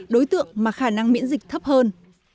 đối tượng mà khả năng miễn dịch thấp hơn